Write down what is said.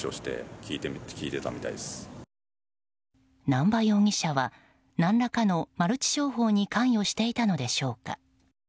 南波容疑者は何らかのマルチ商法に関与していたのでしょうか。